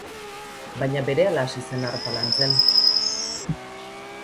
Baina berehala hasi zen harpa lantzen.